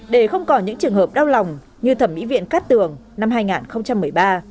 để không còn những trường hợp đau lòng như thẩm mỹ viện cát tường năm hai nghìn một mươi ba